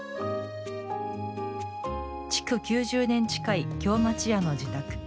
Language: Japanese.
築９０年近い京町家の自宅。